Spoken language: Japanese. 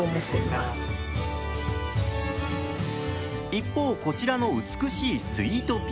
一方こちらの美しいスイートピー。